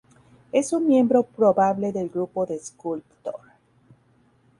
Es un miembro probable del Grupo de Sculptor.